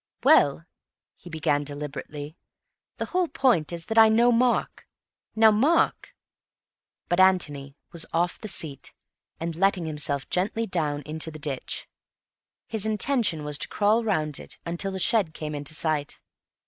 "Well," he began deliberately, "the whole point is that I know Mark. Now, Mark—" But Antony was off the seat and letting himself gently down into the ditch. His intention was to crawl round it until the shed came in sight.